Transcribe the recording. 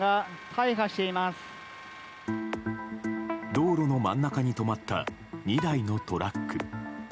道路の真ん中に止まった２台のトラック。